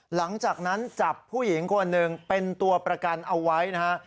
หลังจากนั้นจับผู้หญิงคนหนึ่งเป็นตัวประกันเอาไว้นะฮะ